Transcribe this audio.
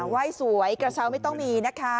ไหว้สวยกระเช้าไม่ต้องมีนะคะ